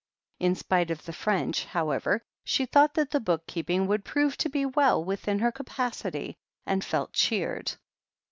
In spite of the French, however, she thought that the book keeping would prove to be well within her ca pacity, and felt cheered.